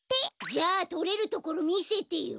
じゃあとれるところみせてよ。